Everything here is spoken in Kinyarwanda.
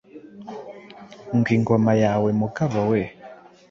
Ngo ingoma yawe Mugabo we